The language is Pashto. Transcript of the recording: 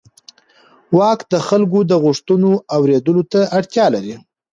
واک د خلکو د غوښتنو اورېدلو ته اړتیا لري.